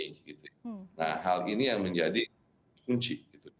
nah hal ini yang menjadi kunci